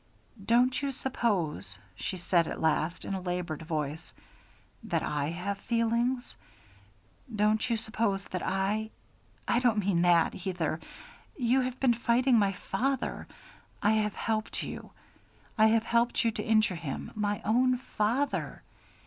"Don't you suppose," she said at last, in a labored voice, "that I have feelings? Don't you suppose that I I don't mean that, either. You have been fighting my father I have helped you. I have helped you to injure him, my own father.